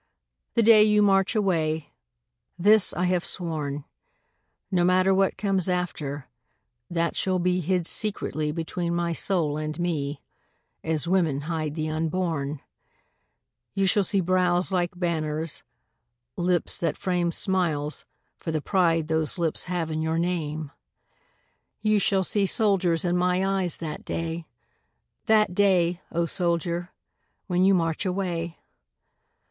The day you march away this I have sworn, No matter what comes after, that shall be Hid secretly between my soul and me As women hide the unborn You shall see brows like banners, lips that frame Smiles, for the pride those lips have in your name. You shall see soldiers in my eyes that day That day, O soldier, when you march away.